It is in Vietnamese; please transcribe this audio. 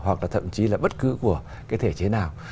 hoặc là thậm chí là bất cứ của cái thể chế nào